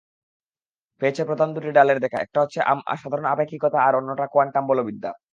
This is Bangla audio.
পেয়েছে প্রধান দুটি ডালের দেখা—একটা হচ্ছে সাধারণ আপেক্ষিকতা আর অন্যটা কোয়ান্টাম বলবিদ্যা।